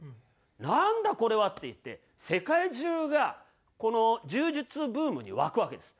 なんだこれはっていって世界中がこの柔術ブームに沸くわけです。